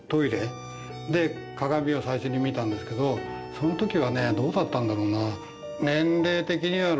そのときはねどうだったんだろうな？